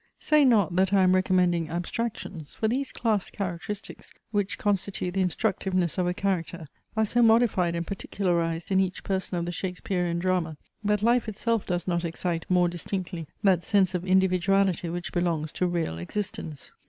Say not, that I am recommending abstractions: for these class characteristics, which constitute the instructiveness of a character, are so modified and particularized in each person of the Shakesperian Drama, that life itself does not excite more distinctly that sense of individuality which belongs to real existence.